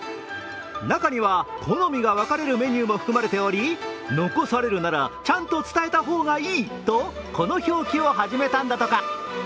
中には好みが分かれるメニューも含まれており残されるなら、ちゃんと伝えた方がいいとこの表記を始めたんだとか。